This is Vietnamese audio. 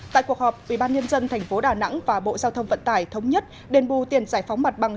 tại cuộc họp ubnd tp đà nẵng và bộ giao thông vận tải thống nhất đền bù tiền giải phóng mặt bằng